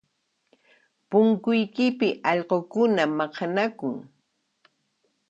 Punkuypi allqukuna maqanakun